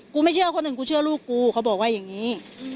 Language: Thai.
ไม่เชื่อคนหนึ่งกูเชื่อลูกกูเขาบอกว่าอย่างนี้